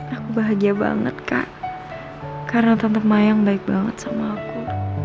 aku bahagia banget kak karena tante mayang baik banget sama aku